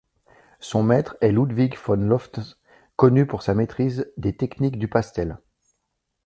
Son maître est Ludwig von Löfftz connu pour sa maîtrise des techniques du pastel.